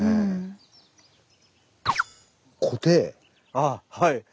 あっはい。